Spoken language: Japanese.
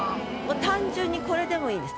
単純にこれでもいいんです。